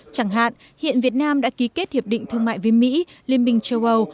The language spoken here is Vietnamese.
chẳng hạn hiện việt nam đã ký kết hiệp định thương mại với mỹ liên minh châu âu